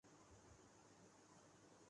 Pakistan cricket نے بہرطور